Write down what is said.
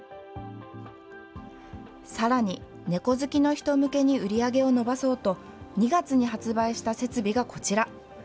さらに、猫好きの人向けに売り上げを伸ばそうと、２月に発売した設備がこちら。